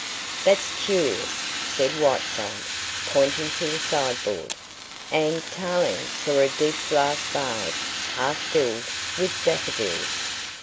"That's curious," said Whiteside, pointing to the sideboard, and Tarling saw a deep glass vase half filled with daffodils.